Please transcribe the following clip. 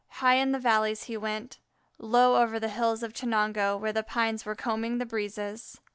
High in the valleys he went, low over the hills of Chenango, where the pines were combing the breezes.